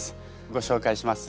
ご紹介します。